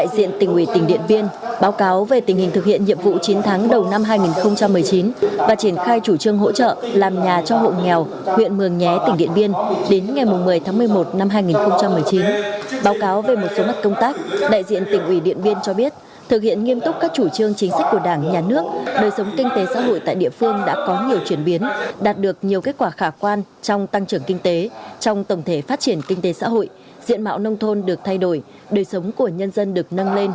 tiếp tục tiến hành chủ trương hỗ trợ làm nhà cho người nghèo tại các địa phương khác trên cả nước